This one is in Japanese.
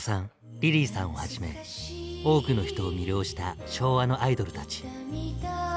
リリーさんをはじめ多くの人を魅了した昭和のアイドルたち。